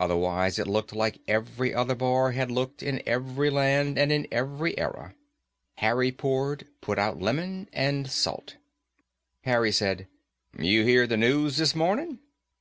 Otherwise, it looked like every other bar has looked in every land and in every era. Harry poured, put out lemon and salt. Harry said, "You hear the news this morning?"